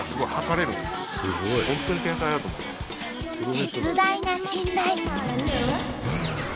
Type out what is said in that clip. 絶大な信頼！